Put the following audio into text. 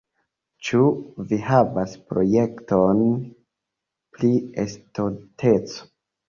Ĉu vi havas projektojn pri estonteco?